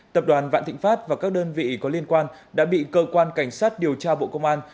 tập đoàn vạn thịnh pháp và các đơn vị có liên quan đã bị cơ quan cảnh sát điều tra bộ công an